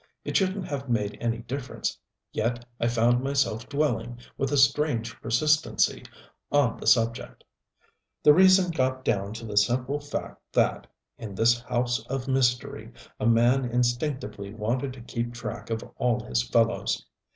It shouldn't have made any difference, yet I found myself dwelling, with a strange persistency, on the subject. The reason got down to the simple fact that, in this house of mystery, a man instinctively wanted to keep track of all his fellows.